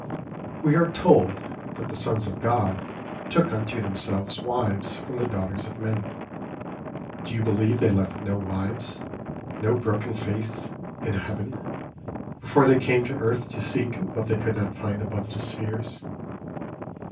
We are told that the sons of God took unto themselves wives from the daughters of men. Do you believe they left no wives, no broken faith, in heaven, before they came to earth to seek what they could not find above the spheres?